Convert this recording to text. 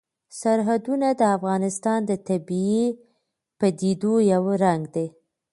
سرحدونه د افغانستان د طبیعي پدیدو یو رنګ دی.